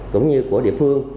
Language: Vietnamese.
cũng như của địa phương